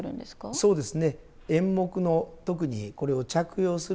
そうですね。